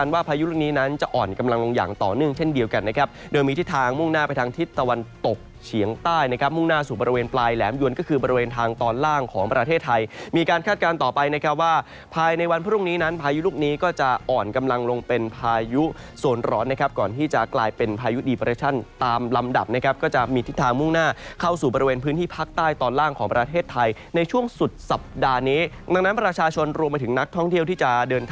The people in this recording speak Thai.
วันตกเฉียงใต้มุ่งหน้าสู่บริเวณปลายแหลมยวนก็คือบริเวณทางตอนล่างของประเทศไทยมีการคาดการณ์ต่อไปว่าภายในวันพรุ่งนี้นั้นพายุลูกนี้ก็จะอ่อนกำลังลงเป็นพายุส่วนร้อนก่อนที่จะกลายเป็นพายุดีเปอร์ชันตามลำดับก็จะมีทิศทางมุ่งหน้าเข้าสู่บริเวณพื้นที่พักใต้ตอนล่างของประเท